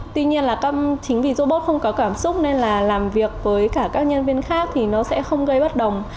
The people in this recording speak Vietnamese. tuy nhiên là chính vì robot không có cảm xúc nên là làm việc với cả các nhân viên khác thì nó sẽ không gây bất đồng